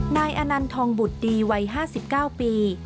นายอนันทองบุตรดีวัย๕๙ปี